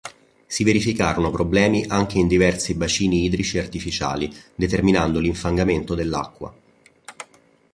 Si verificarono problemi anche in diversi bacini idrici artificiali, determinando l'infangamento dell'acqua.